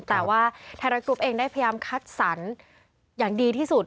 แต่ว่าไทยรัฐกรุ๊ปเองได้พยายามคัดสรรอย่างดีที่สุด